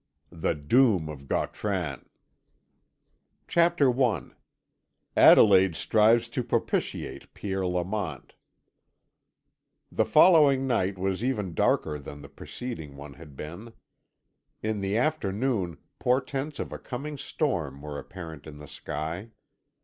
THE DOOM OF GAUTRAN_. CHAPTER I ADELAIDE STRIVES TO PROPITIATE PIERRE LAMONT The following night was even darker than the preceding one had been. In the afternoon portents of a coming storm were apparent in the sky.